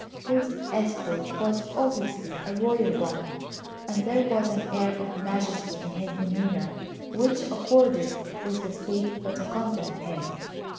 His escort was obviously a royal one, and there was an air of majesty in his demeanour which accorded with the state that accompanied him.